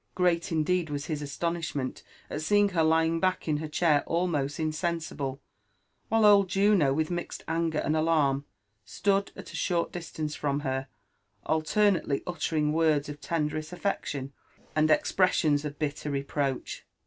Great indeed was his astonishment at seeing l^er lying back in her chair almost insensible, while pld Juno with mixed anger and alarm stood at a short distance from her, alternately uttering words of tenderest affection, and expressions of bitter reproach.